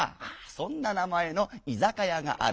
「そんな名前のいざかやがある」。